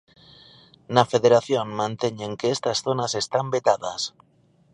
Na Federación manteñen que estas zonas están vetadas.